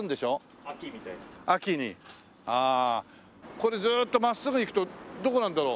これずーっと真っすぐ行くとどこなんだろう？